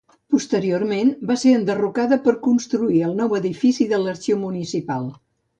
Posteriorment va ser enderrocada per construir el nou edifici de l'Arxiu Municipal.